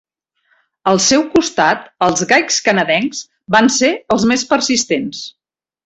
Al seu costat, els gaigs canadencs van ser els més persistents.